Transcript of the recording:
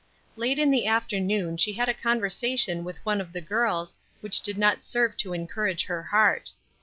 Late in the afternoon she had a conversation with one of the girls which did not serve to encourage her heart.